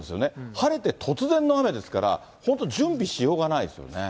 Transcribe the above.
晴れて突然の雨ですから、本当、準備しようがないですよね。